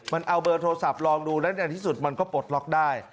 มันเอาเบอร์โทรศัพท์ลองดูและในที่สุดมันก็ปลดล็อกได้